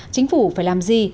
chính phủ phải làm gì